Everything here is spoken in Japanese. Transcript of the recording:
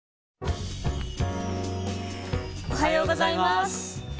おはようございます。